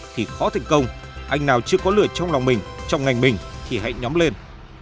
thì khó thành công anh nào chưa có lửa trong lòng mình trong ngành mình thì hãy nhóm lên